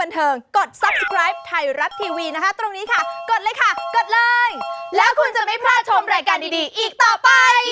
พฤติศาสตร์ไม่มีนะครับเท่าที่ผมทราบ